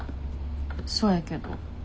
そうやけど。